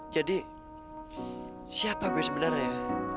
jadi siapa gue sebenarnya